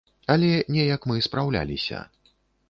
Але неяк мы спраўляліся.